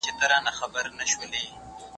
پکښي ګوري چي فالونه په تندي د سباوون کي